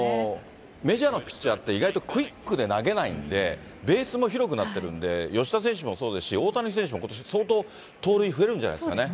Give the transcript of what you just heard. メジャーのピッチャーって、意外とクイックで投げないんで、ベースも広くなってるんで、吉田選手もそうですし、大谷選手もことし、相当盗塁増えるんじゃないですかね。